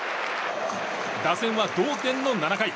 打線は同点の７回。